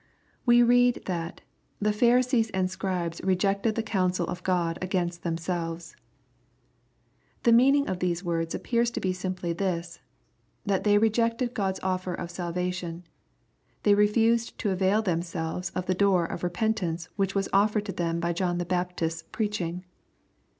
We read that " The Pharisees and Scribes rejected the counsel of God against themselves.'' The meaning of these words appears to be simply this, that they rejected God's offer of salvation. They refused to avail themselves of the door of repent ance which was offered to them by John the Baptist's preaching.